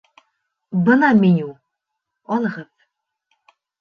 Бына меню, алығыҙ!